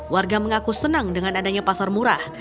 warga mengaku senang dengan adanya pasar murah